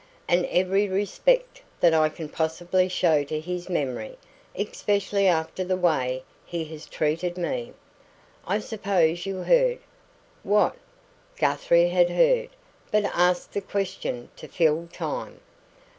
And every respect that I can possibly show to his memory especially after the way he has treated me! I suppose you heard " "What?" Guthrie had heard, but asked the question to fill time.